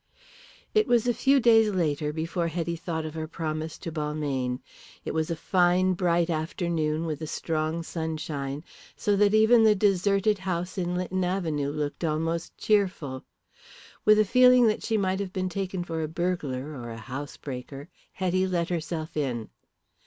It was a few days later before Hetty thought of her promise to Balmayne. It was a fine bright afternoon with a strong sunshine, so that even the deserted house in Lytton Avenue looked almost cheerful. With a feeling that she might have been taken for a burglar or a house breaker, Hetty let herself in.